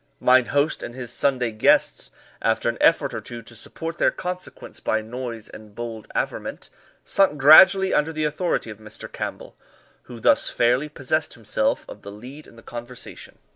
Mine host and his Sunday guests, after an effort or two to support their consequence by noise and bold averment, sunk gradually under the authority of Mr. Campbell, who thus fairly possessed himself of the lead in the conversation.